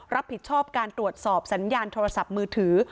รับผิดชอบการตรวจสอบสัญญาณโทรศัพท์มือถือ